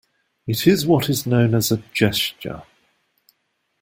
It is what is known as a gesture.